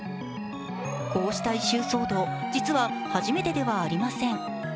こうした異臭騒動、実は初めてではありません。